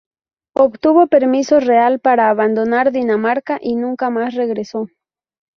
Obtuvo permiso real para abandonar Dinamarca, y nunca más regresó.